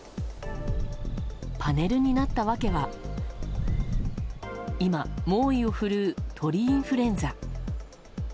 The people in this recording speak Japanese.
パネルになった訳は今、猛威を振るう鳥インフルエンザ。